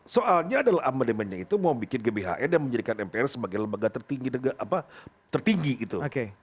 soalnya adalah amendementnya itu mau bikin gbhn dan menjadikan mpr sebagai lembaga tertinggi gitu